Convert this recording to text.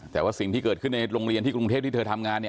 แต่ว่าสิ่งที่เกิดขึ้นในโรงเรียนที่กรุงเทพที่เธอทำงาน